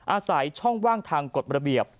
อาศัยช่องว่างทางกฎระเบียบ